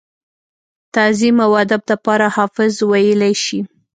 تعظيم او ادب دپاره حافظ وئيلی شي ۔